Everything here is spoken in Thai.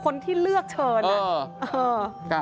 คนที่เลือกเชิญ